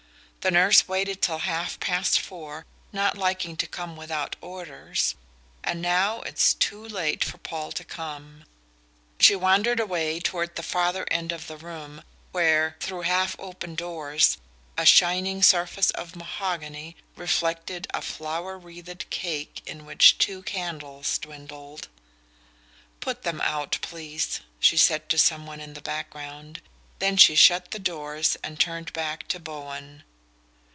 The nurse waited till half past four, not liking to come without orders; and now it's too late for Paul to come." She wandered away toward the farther end of the room, where, through half open doors, a shining surface of mahogany reflected a flower wreathed cake in which two candles dwindled. "Put them out, please," she said to some one in the background; then she shut the doors and turned back to Bowen.